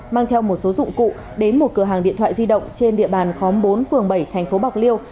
mang theo một số dụng cụ đến một cửa hàng điện thoại di động trên địa bàn khóm bốn phường bảy thành phố bạc liêu